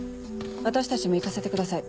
私たちも行かせてください。